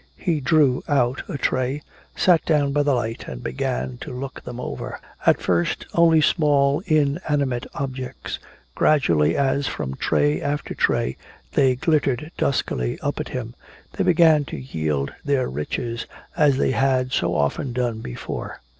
He drew out a tray, sat down by the light and began to look them over. At first only small inanimate objects, gradually as from tray after tray they glittered duskily up at him, they began to yield their riches as they had so often done before.